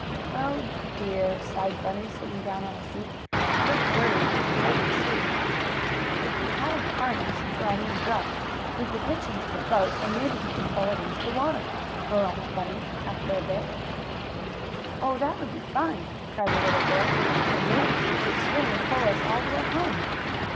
"Oh, dear!" sighed Bunny, sitting down on a seat. He looked worried, and so did Sue. "If we had a harness for our new dog we could hitch him to the boat, and maybe he could pull it into the water," remarked Bunny, after a bit. "Oh, that would be fine!" cried the little girl. "And maybe he could swim, and pull us all the way home."